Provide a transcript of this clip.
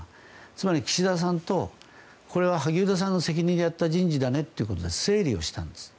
つまり岸田さんとこれは萩生田さんの責任でやった人事だねということで整理をしたんです。